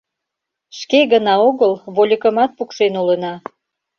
— Шке гына огыл, вольыкымат пукшен улына.